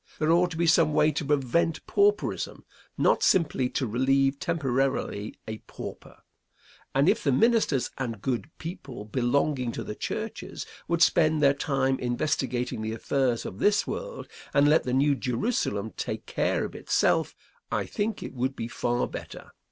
There ought to be some way to prevent pauperism, not simply to relieve temporarily a pauper, and if the ministers and good people belonging to the churches would spend their time investigating the affairs of this world and let the New Jerusalem take care of itself, I think it would be far better.